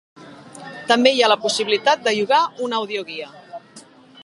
També hi ha la possibilitat de llogar una audioguia.